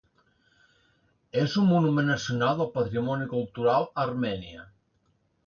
És un monument nacional del patrimoni cultura a Armènia.